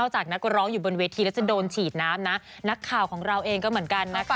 ฉีดน้ำนะนักข่าวของเราเองก็เหมือนกันนะคะ